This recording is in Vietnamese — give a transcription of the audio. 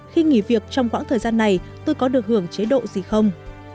khi nghỉ việc trong quãng thời gian này tôi có được hưởng chế độ gì không